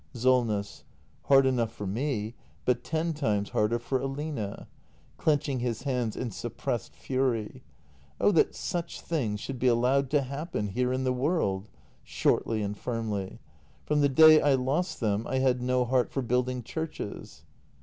SOLNESS. Hard enough for me: but ten times harder for Aline. [Clenching his hands in suppressed fury .] Oh, that such things should be allowed to happen here in the world! [Shortly and firmly.] From the day I lost them, I had no heart for building churches.